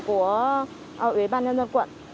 của ủy ban nhân dân quận